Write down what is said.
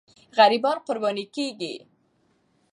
غریبان قرباني کېږي.